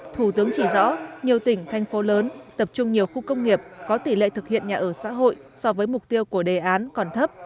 thủ tướng chỉ rõ nhiều tỉnh thành phố lớn tập trung nhiều khu công nghiệp có tỷ lệ thực hiện nhà ở xã hội so với mục tiêu của đề án còn thấp